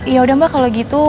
ya udah mbak kalau gitu